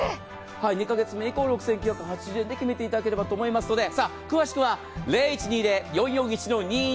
２カ月目以降６９８０円で決めていただければと思いますので詳しくは０１２０‐４４１‐２２２